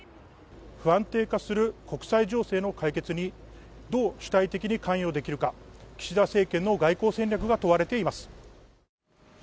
不安定化する国際情勢の解決にどう主体的に関与できるか岸田政権の外交戦略が問われています